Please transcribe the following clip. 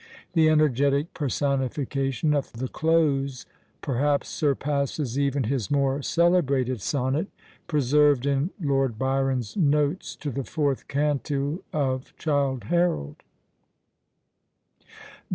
The energetic personification of the close perhaps surpasses even his more celebrated sonnet, preserved in Lord Byron's notes to the fourth canto of "Childe Harold."